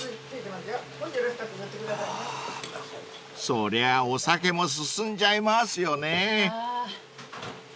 ［そりゃお酒も進んじゃいますよね］